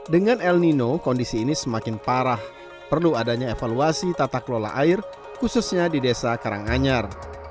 dengan el nino kondisi ini semakin parah perlu adanya evaluasi tata kelola air khususnya di desa karanganyar